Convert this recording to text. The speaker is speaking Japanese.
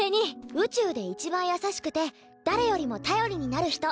「宇宙で一番優しくて誰よりも頼りになる人」でしょ？